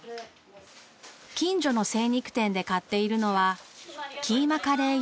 近所の精肉店で買っているのはキーマカレー用のひき肉。